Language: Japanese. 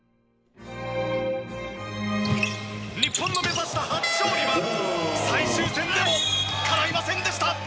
日本の目指した初勝利は最終戦でもかないませんでした。